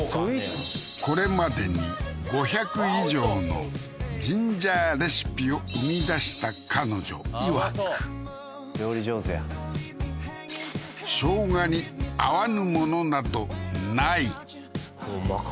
これまでに５００以上のジンジャーレシピを生み出した彼女いわく料理上手や生姜に合わぬものなどないほんまか？